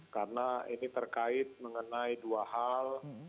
karena ini terkait mengenai dua hal